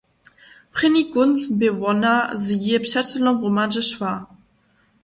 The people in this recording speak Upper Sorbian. Prěni kónc bě wona z jeje přećelom hromadźe šła.